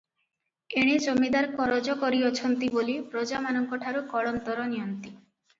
ଏଣେ ଜମିଦାର କରଜ କରିଅଛନ୍ତି ବୋଲି ପ୍ରଜାମାନଙ୍କଠାରୁ କଳନ୍ତର ନିଅନ୍ତି ।